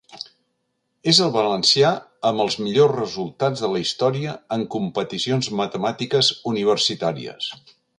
És el valencià amb els millors resultats de la història en competicions matemàtiques universitàries.